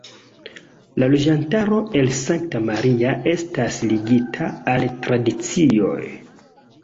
La loĝantaro el Sankta Maria estas ligita al tradicioj.